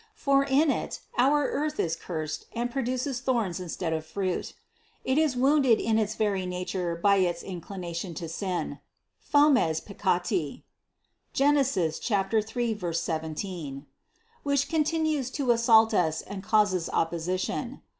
For in it our earth is cursed and produces thorns instead of fruit. It is wounded in its very nature by its inclina tion to sin — "fomes Peccati" (Gen. 3, 17), which con tinues to assault us and causes opposition.